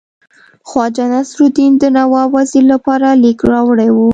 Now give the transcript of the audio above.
خواجه نصیرالدین د نواب وزیر لپاره لیک راوړی وو.